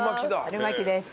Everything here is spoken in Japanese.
春巻きです。